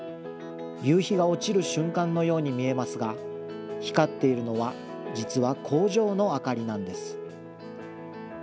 夕日が落ちる瞬間のように見えますが、光っているのは実は工場の明かりなんです。